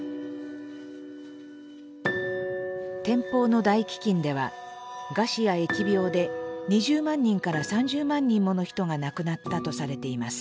「天保の大飢饉」では餓死や疫病で２０万人から３０万人もの人が亡くなったとされています。